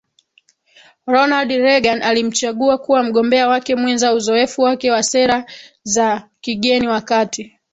Ronald Reagan alimchagua kuwa mgombea wake mwenza Uzoefu wake wa sera za kigeni wakati